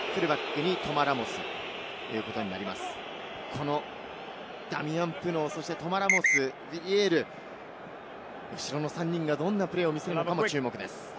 このダミアン・プノー、トマ・ラモス、ヴィリエール、後ろの３人がどんなプレーを見せるのかも注目です。